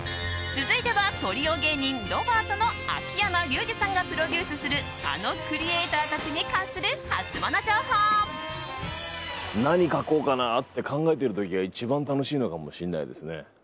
続いてはトリオ芸人ロバートの秋山竜次さんがプロデュースするあのクリエーターたちに関する何書こうかなって考えてる時が一番楽しいのかもしれないですね。